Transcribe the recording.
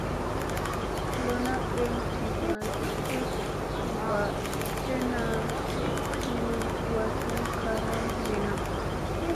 Lona ɓeŋ jiffa ki ek ɓa slena suu wazi karam wini.